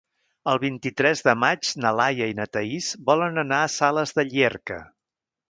El vint-i-tres de maig na Laia i na Thaís volen anar a Sales de Llierca.